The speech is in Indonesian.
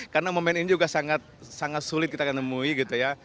karena momen ini juga sangat sulit kita akan nemui gitu ya